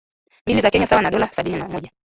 mbili za Kenya sawa na dola sabini na moja